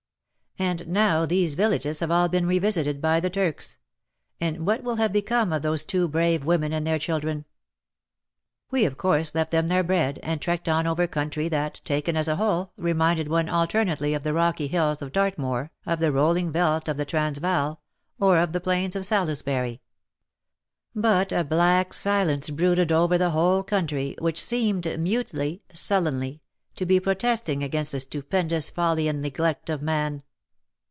And now these villages have all been revisited by the Turks — and what will have become of those two brave women and their children ? We of course left them their bread, and trekked on over country that, taken as a whole, reminded one alternately of the rocky hills of Dartmoor, of the rolling veldt of the Transvaal, or of the plains of Salisbury. But a black silence brooded over the whole country, which seemed mutely, sullenly, to be protesting against the stupendous folly and neglect of man.